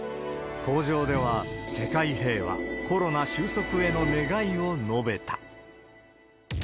口上では世界平和、コロナ終息への願いを述べた。